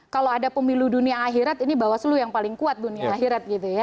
kalau ada pemilu dunia akhirat ini bawaslu yang paling kuat dunia akhirat gitu ya